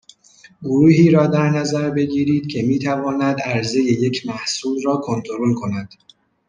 گروهی را در نظر بگیرید که می تواند عرضه یک محصول را کنترل کند